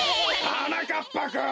はなかっぱくん！